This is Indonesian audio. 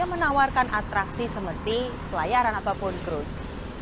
yang menawarkan atraksi seperti pelayaran ataupun krus